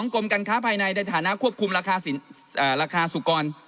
กรมการค้าภายในในฐานะควบคุมราคาสุกร